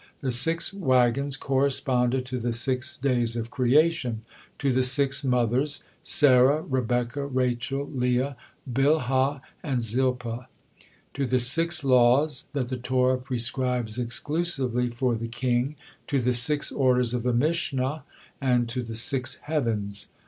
The six wagons corresponded to the six days of creation; to the six Mothers, Sarah, Rebekah, Rachel, Leah, Billhah, and Zilpah; to the six laws that the Torah prescribes exclusively for the king; to the six orders of the Mishnah, and to the six heavens.